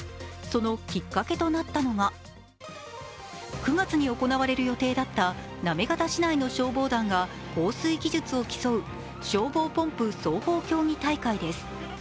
そのきっかけとなったのが９月に行われる予定だった行方市内の消防団が防水技術を競う消防ポンプ操法競技大会です。